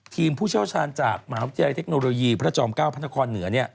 ทีมผู้เชี่ยวชาญจากหมาวัติรายเทคโนโลยีพระจอม๙พันธกรเหนือ